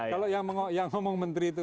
kalau yang ngomong menteri itu